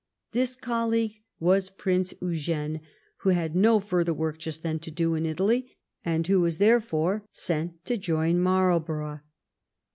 This colleague was Prince Eugene, who had no further work just then to do in Italy, and who was therefore sent to join Marlbor ough.